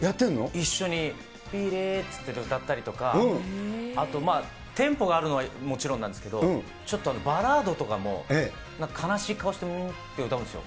一緒に歌ったりとか、あと、テンポがあるのはもちろんなんですけど、ちょっとバラードとかも、なんか悲しい顔してうーんって歌うんですよ。